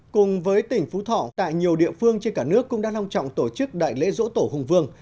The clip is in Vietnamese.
cùng với tỉnh phú thỏ tại nhiều địa phương trên cả nước cũng đang long trọng tổ chức đại lễ rỗ tổ hùng vương